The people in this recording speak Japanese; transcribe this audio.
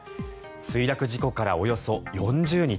墜落事故からおよそ４０日。